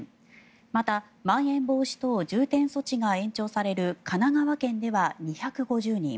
また、まん延防止等重点措置が延長される神奈川県では２５０人。